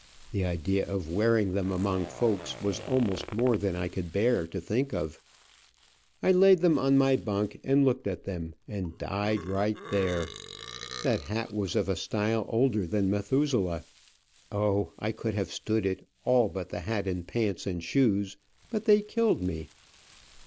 The idea of wearing them among folks was almost more than I could bear to think of. I laid them on my bunk, and looked at them, and "died right there." That hat was of a style older than Methuselah. O, I could have stood it, all but the hat, and pants, and shoes, but they killed me.